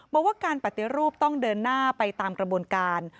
บอกว่าการปฏิรูปต้องเดินหน้าไปตามกระบวนการ